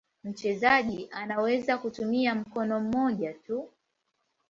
Mchezaji anaweza kutumia mkono mmoja tu.